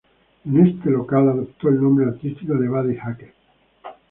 En este local adoptó el nombre artístico de Buddy Hackett.